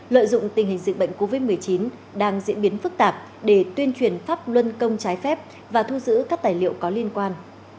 lợi dụng tình hình dịch bệnh covid một mươi chín đang diễn biến phức tạp để tuyên truyền pháp luân công trái phép và thu giữ các tài liệu có liên quan